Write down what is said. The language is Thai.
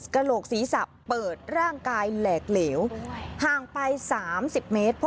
กระโหลกศรีสับเปิดร่างกายแหลกเหลวห่างไปสามสิบเมตร